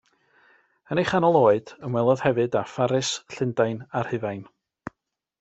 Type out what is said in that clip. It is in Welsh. Yn ei chanol oed, ymwelodd hefyd â Pharis, Llundain a Rhufain.